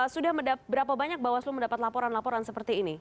sudah berapa banyak bawaslu mendapat laporan laporan seperti ini